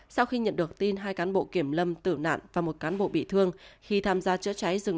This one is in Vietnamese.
sau khi nhận được tin hai cán bộ kiểm lâm tử nạn và một cán bộ bị thương khi tham gia chữa cháy rừng